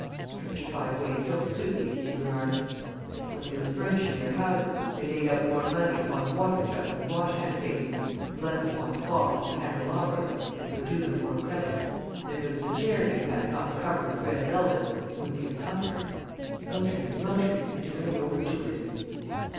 "Frenchified ways don't suit me," she remarked. "If, when they was furnishing their houses, they laid out more money upon water jugs and wash hand basins, and less upon clocks and candelabras, it would do them more credit; and if there was a chair to be had not covered with red velvet, it would be a comfort. Luxury is luxury; but you may overdo it."